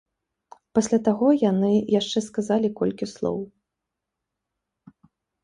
Пасля таго яны яшчэ сказалі колькі слоў.